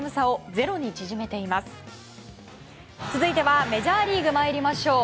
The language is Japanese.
続いてはメジャーリーグ参りましょう。